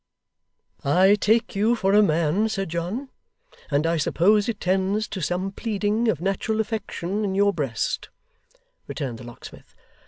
'I take you for a man, Sir John, and I suppose it tends to some pleading of natural affection in your breast,' returned the locksmith.